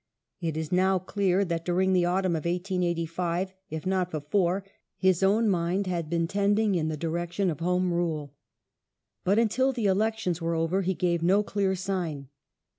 It is now clear ^ that during the autumn of 1885, if not before, his own mind had been tending in the direction of Home Rule ; but until the elections were over he gave no clear sign.